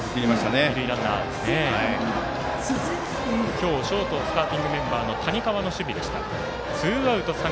今日、ショートスターティングメンバーの谷川の守備でした。